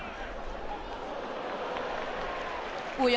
おや？